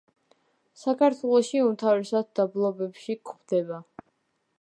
საქართველოში უმთავრესად დაბლობებში გვხვდება.